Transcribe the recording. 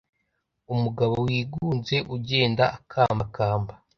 Umugabo wigunze ugenda akambakamba